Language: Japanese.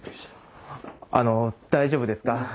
あの大丈夫ですか？